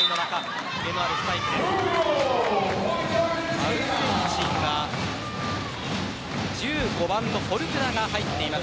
アルゼンチンは１５番のフォルトゥナが入っています。